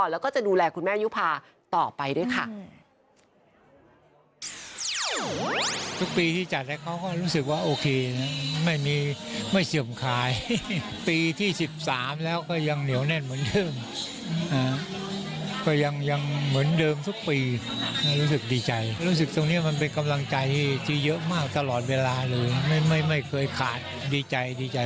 แล้วก็จะดูแลคุณแม่ยุภาต่อไปด้วยค่ะ